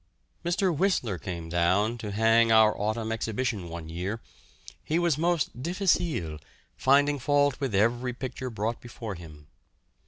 Mr. Whistler came down to hang our Autumn Exhibition one year. He was most difficile, finding fault with every picture brought before him.